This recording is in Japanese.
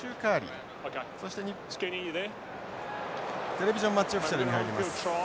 テレビジョンマッチオフィシャルに入ります。